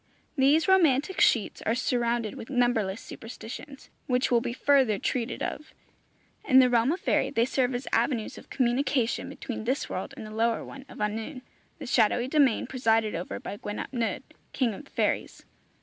These romantic sheets are surrounded with numberless superstitions, which will be further treated of. In the realm of faerie they serve as avenues of communication between this world and the lower one of annwn, the shadowy domain presided over by Gwyn ap Nudd, king of the fairies.